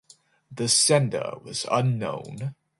The sender was unknown.